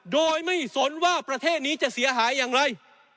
โดยไม่สนว่าประเทศนี้จะเสียหายอย่างไร